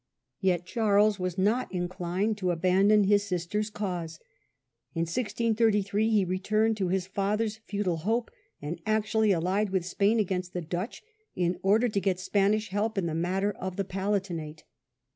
Yet, Charles was not inclined to abandon his sister's cause. In 1633 ^^ returned to his father's futile hope, and actually allied with Spain against the Dutch in order to get Spanish help in the matter of the Palatinate.